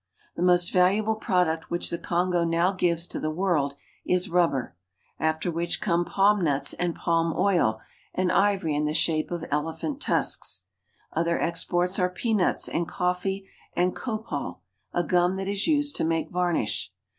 The most valuable product which the Kongo now gives to the world is rubber, after which come palm nuts and palm oil and ivory in the shape of elephant tusks. Other exports are peanuts and coffee and copal, a gum that is used to make varnish.